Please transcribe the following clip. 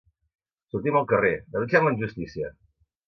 Sortim al carrer, denunciem la injustícia!